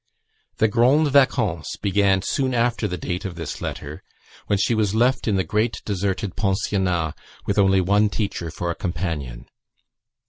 The grandes vacances began soon after the date of this letter, when she was left in the great deserted pensionnat, with only one teacher for a companion.